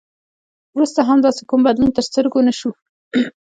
وروسته هم داسې کوم بدلون تر سترګو نه شو.